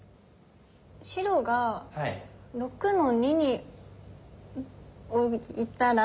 白が６の二に置いたら。